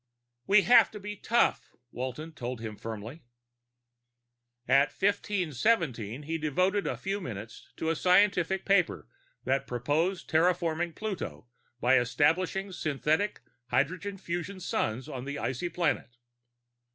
"We have to be tough," Walton told him firmly. At 1517 he devoted a few minutes to a scientific paper that proposed terraforming Pluto by establishing synthetic hydrogen fusion suns on the icy planet.